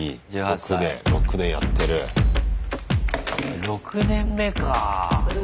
６年目かあ。